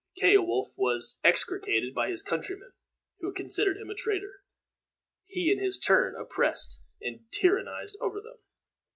Ceolwulf was execrated by his countrymen, who considered him a traitor. He, in his turn, oppressed and tyrannized over them.